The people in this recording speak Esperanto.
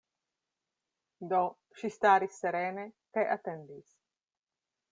Do, ŝi staris serene, kaj atendis.